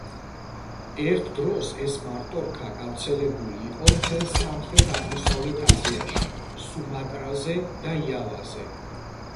ერთ დროს ეს მარტორქა გავრცელებული იყო მთელ სამხრეთ აღმოსავლეთ აზიაში, სუმატრაზე და იავაზე.